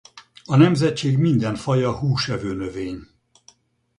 A nemzetség minden faja húsevő növény.